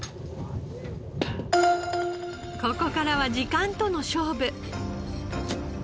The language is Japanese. ここからは時間との勝負。